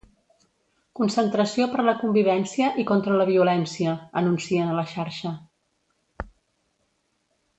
Concentració per la convivència i contra la violència, anuncien a la xarxa.